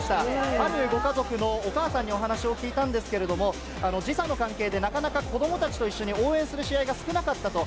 あるご家族のお母さんにお話を聞いたんですけれども、時差の関係でなかなか子どもたちと一緒に応援する試合が少なかったと。